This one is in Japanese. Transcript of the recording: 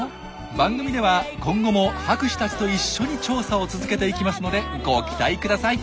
番組では今後も博士たちと一緒に調査を続けていきますのでご期待ください！